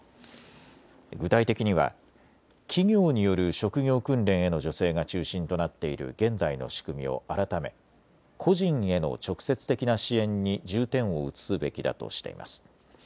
具体的には企業による職業訓練への助成が中心となっている現在の仕組みを改め個人への直接的な支援に重点を移すべきだとしています。